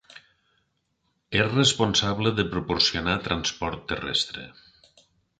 És responsable de proporcionar transport terrestre.